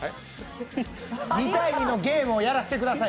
２対２のゲームをやらせてください。